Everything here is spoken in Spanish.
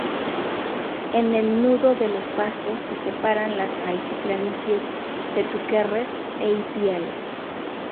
En el Nudo de los Pastos se separan las altiplanicies de Túquerres e Ipiales.